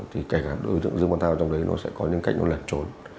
thì kể cả đối tượng dương văn thao trong đấy nó sẽ có những cách nó lẩn trốn